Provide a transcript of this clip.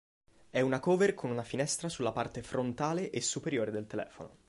È una cover con una finestra sulla parte frontale e superiore del telefono.